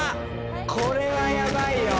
これは、やばいよ。